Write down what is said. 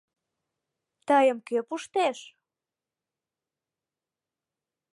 Тыйым кӧ пуштеш?